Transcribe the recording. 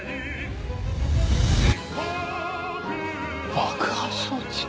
爆破装置？